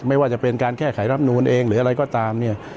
ไม่ว่าจะเป็นการแก้ไขรับนูนเองหรืออะไรก็ตามเนี่ย